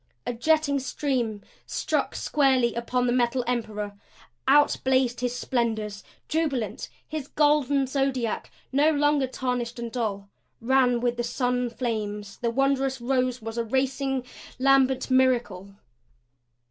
A jetting stream struck squarely upon the Metal Emperor. Out blazed his splendors jubilant. His golden zodiac, no longer tarnished and dull, ran with sun flames; the wondrous rose was a racing, lambent miracle.